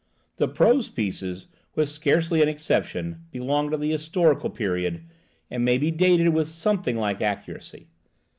The prose pieces, with scarcely an exception, belong to the historical period, and may be dated with something like accuracy.